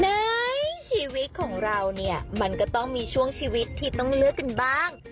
ในชีวิตของเราเนี่ยมันก็ต้องมีช่วงชีวิตที่ต้องเลือกกันบ้าง